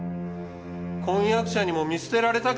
婚約者にも見捨てられたか？